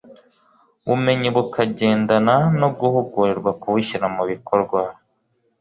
bumenyi bukagendana no guhugurirwa kubushyira mu bikorwa.